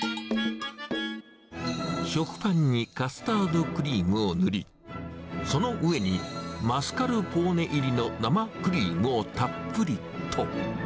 食パンにカスタードクリームを塗り、その上に、マスカルポーネ入りの生クリームをたっぷりと。